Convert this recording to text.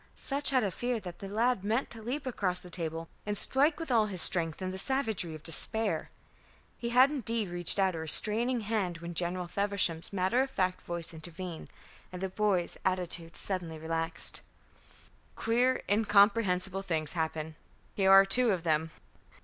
Sutch had a fear that the lad meant to leap across the table and strike with all his strength in the savagery of despair. He had indeed reached out a restraining hand when General Feversham's matter of fact voice intervened, and the boy's attitude suddenly relaxed. "Queer incomprehensible things happen. Here are two of them.